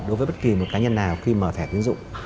đối với bất kỳ một cá nhân nào khi mở thẻ tiến dụng